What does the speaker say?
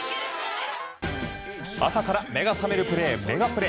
朝から目が覚めるプレーメガプレ。